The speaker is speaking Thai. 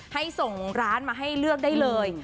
ให้ส่งร้านมาให้เลือกได้เลย